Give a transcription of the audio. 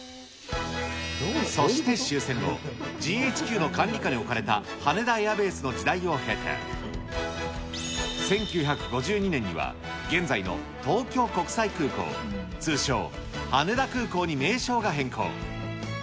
そして終戦後、ＧＨＱの管理下に置かれたハネダエアベースの時代を経て、１９５２年には、現在の東京国際空港、通称・羽田空港に名称が変更。